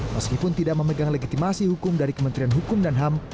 meskipun tidak memegang legitimasi hukum dari kementerian hukum dan ham